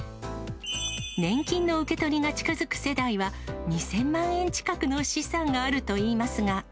年金の受け取りが近づく世代は、２０００万円近くの資産があるといいますが。